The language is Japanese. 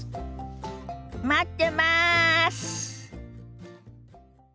待ってます！